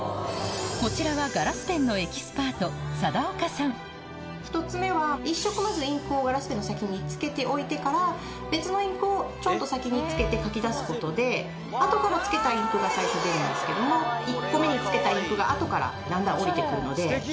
こちらは一つ目は１色まずインクをガラスペンの先につけておいてから別のインクをちょっと先につけて書き出すことで後からつけたインクが最初出るんですけども１個目につけたインクが後からだんだん下りてくるので。